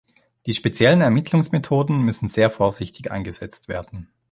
Die speziellen Ermittlungsmethoden müssen sehr vorsichtig eingesetzt werden.